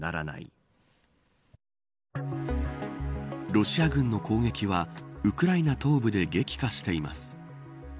ロシア軍の攻撃はウクライナ東部で激化しています。